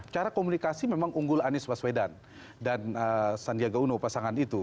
cara komunikasi memang unggul anies baswedan dan sandiaga uno pasangan itu